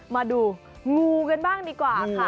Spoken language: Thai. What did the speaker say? มาดูงูกันบ้างดีกว่าค่ะ